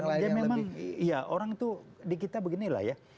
bukan bukan dia memang iya orang itu di kita beginilah ya